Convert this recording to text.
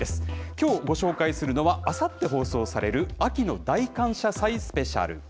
きょう、ご紹介するのは、あさって放送される秋の大感謝祭スペシャル。